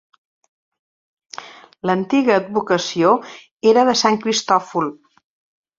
L'antiga advocació era de Sant Cristòfol.